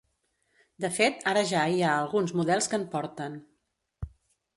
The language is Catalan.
De fet, ara ja hi ha alguns models que en porten.